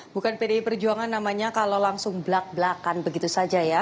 bukan pdi perjuangan namanya kalau langsung belak belakan begitu saja ya